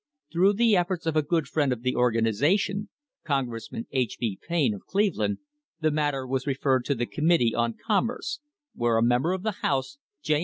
Through the efforts of a good friend of the organisation — Congressman H. B. Payne, of Cleveland — the matter was referred to the Committee on Commerce, where a member of the house, J.